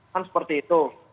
kan seperti itu